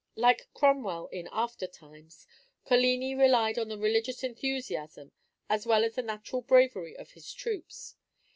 Like Cromwell in after times, Coligni relied on the religious enthusiasm as well as the natural bravery of his troops.